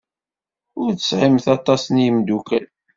Ur tesɛimt aṭas n yimeddukal.